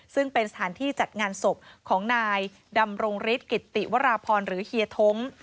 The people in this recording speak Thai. ซึ่งเป็นสถานที่จัดงานศพของนายดำรงฤทธิกิตติวราพรหรือเฮียท้ง